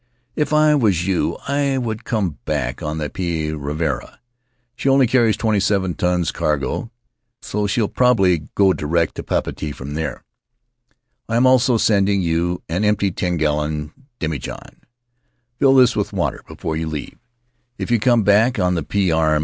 If I was you I would come back on the Potii Ravarava. She only carries twenty seven tons cargo, so she'll probably go direct to Papeete from there. I am also sending you an emptv three gallon demijohn. Fill this with [ 202 ] Costly Hospitality water before you leave, if you come back on the P. 2?.